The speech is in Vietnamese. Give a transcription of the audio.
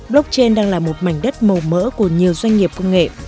blockchain đang là một mảnh đất màu mỡ của nhiều doanh nghiệp công nghệ